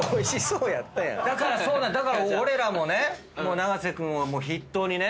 だから俺らもね永瀬君を筆頭にね。